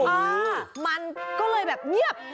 เออมันก็เลยแบบเงียบ